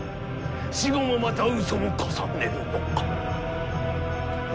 死後もまたうそを重ねるのか？